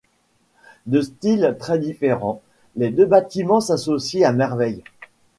De styles très différents, les deux bâtiments s’associent à merveille.